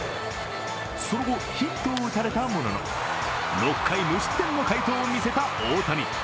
その後、ヒットを打たれたものの６回無失点の快投を見せた大谷。